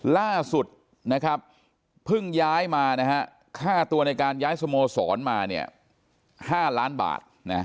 ล่าสุดเพิ่งย้ายมาค่าตัวในการย้ายสโมสรมา๕ล้านบาท